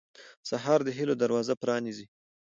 سهار د هيلو دروازه پرانیزي.